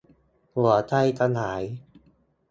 หัวใจสลาย